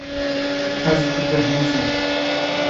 Ez dibêhnijim.